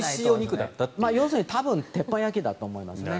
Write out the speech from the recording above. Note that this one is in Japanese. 要するに多分鉄板焼きだと思います。